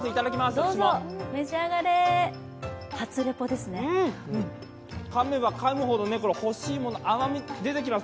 うん、かめばかむほど、干し芋の甘みが出てきます。